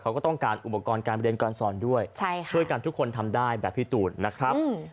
เขาก็ต้องการอุปกรณ์การเรียนการสอนด้วยช่วยกันทุกคนทำได้แบบพี่ตูนนะครับ